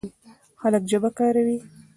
خلک ژبه کاروي.